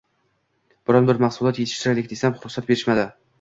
biron-bir mahsulot yetishtiraylik, desam, ruxsat berishmadi.